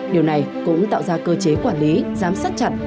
điều này cũng tạo ra cơ chế quản lý giám sát chặt